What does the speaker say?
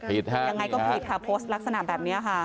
ยังไงก็ผิดค่ะโพสต์ลักษณะแบบนี้ค่ะ